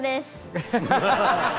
ハハハハ！